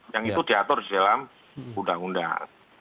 yang itu diatur di dalam undang undang